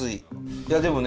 いやでもね